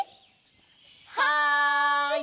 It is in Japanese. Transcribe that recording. はい！